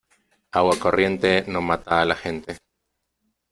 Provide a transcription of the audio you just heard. Agua corriente no mata a la gente.